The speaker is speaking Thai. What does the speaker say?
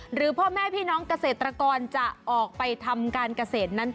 หรือพ่อแม่พี่น้องเกษตรกรจะออกไปทำการเกษตรนั้น